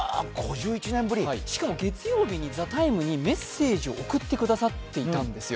しかも月曜日に「ＴＨＥＴＩＭＥ，」にメッセージを送っていただいていたんですよ。